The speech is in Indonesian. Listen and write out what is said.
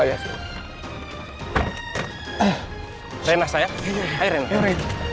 ya sekarang kalau dipikir pikir